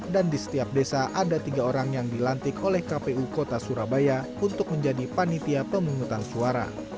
dan di setiap desa ada tiga orang yang dilantik oleh kpu kota surabaya untuk menjadi panitia pemungutan suara